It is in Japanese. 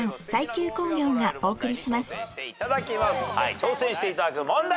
挑戦していただく問題